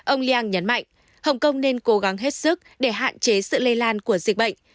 ông liang nhấn mạnh hồng kông nên cố gắng hết sức để hạn chế sự lây lan của dịch bệnh